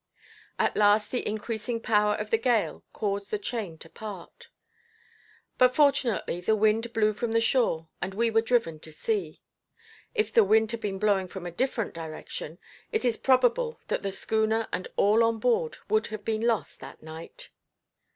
At last the increasing power of the gale caused the chain to part; but fortunately the wind blew from the shore and we were driven to sea. If the wind had been blowing from a different direction, it is probable that the schooner and all on board would have been lost that night.